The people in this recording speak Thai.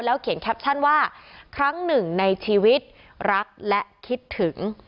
เขียนแคปชั่นว่าครั้งหนึ่งในชีวิตรักและคิดถึง